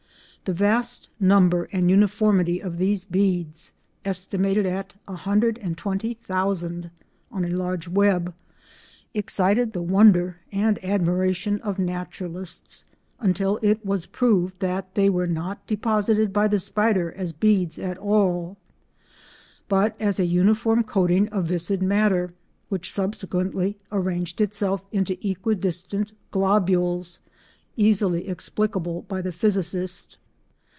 The vast number and uniformity of these beads—estimated at 120,000 on a large web—excited the wonder and admiration of naturalists until it was proved that they were not deposited by the spider as beads at all, but as a uniform coating of viscid matter which subsequently arranged itself into equidistant globules easily explicable by the physicist.